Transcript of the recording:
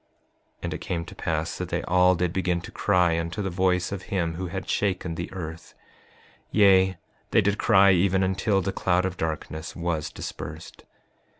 5:42 And it came to pass that they all did begin to cry unto the voice of him who had shaken the earth; yea, they did cry even until the cloud of darkness was dispersed.